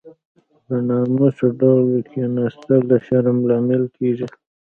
په ناسمو ډول کيناستل د شرم لامل کېږي.